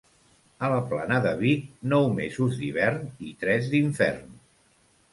A la plana de Vic, nou mesos d'hivern i tres d'infern.